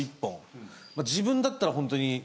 自分だったらホントに。